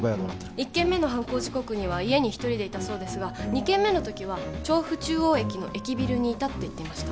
１件目の時刻には家に一人でいて２件目のときは調布中央駅の駅ビルにいたと言ってました